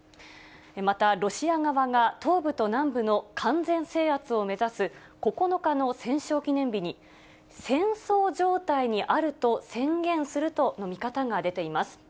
またロシア側が東部と南部の完全制圧を目指す９日の戦勝記念日に、戦争状態にあると宣言するとの見方が出ています。